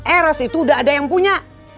eros itu udah ada yang punya